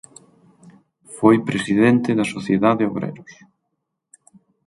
Foi presidente da Sociedad de Obreros.